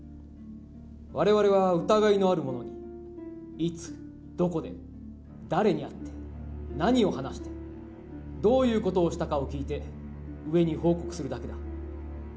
われわれは疑いのある者に、いつ、どこで、誰に会って、何を話したか、どういうことをしたかを聞いて、上に報告するだけだ。